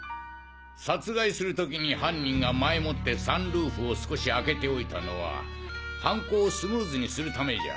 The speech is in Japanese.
殺害する時に犯人が前もってサンルーフを少し開けておいたのは犯行をスムーズにするためじゃ。